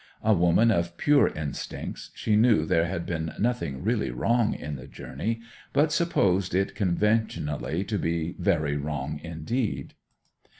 A woman of pure instincts, she knew there had been nothing really wrong in the journey, but supposed it conventionally to be very wrong indeed.